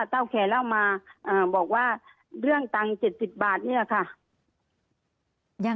เจ้าแกเล่ามาอ่าบอกว่าเรื่องตังค์เจ็ดสิบบาทเนี้ยค่ะยัง